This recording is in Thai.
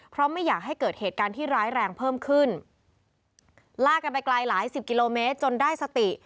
เพราะไม่อยากให้เกิดเหตุการณ์ที่ร้ายแรงเพิ่มขึ้นลากกันไปไกลหลายสิบกิโลเมตรจนได้สติ